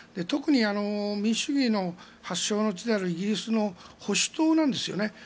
特に民主主義の発祥の地であるイギリスの保守党なんですよね。